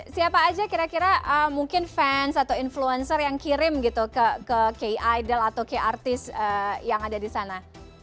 siapa aja kira kira mungkin fans atau influencer yang kirim gitu ke k idol atau k artis yang ada di sana